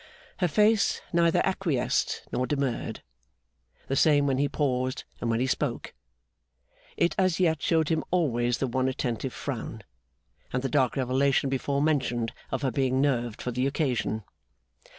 Her face neither acquiesced nor demurred. The same when he paused, and when he spoke, it as yet showed him always the one attentive frown, and the dark revelation before mentioned of her being nerved for the occasion.